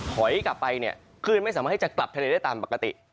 ถอยกลับไปเนี่ยคลื่นไม่สามารถให้จะกลับทะเลได้ตามปกติ